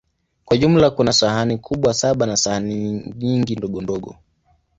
Kwa jumla, kuna sahani kubwa saba na sahani nyingi ndogondogo.